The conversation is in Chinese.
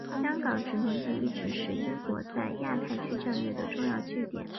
香港殖民地一直是英国在亚太区战略的重要据点。